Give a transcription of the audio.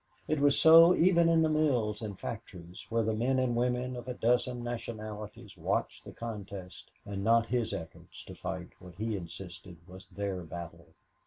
It was so even in the mills and factories, where the men and women of a dozen nationalities watched the contest and not his efforts to fight what he insisted was their battle.